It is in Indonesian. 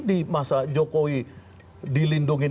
di masa jokowi dilindungi